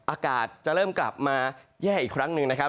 อากาศจะเริ่มกลับมาแย่อีกครั้งหนึ่งนะครับ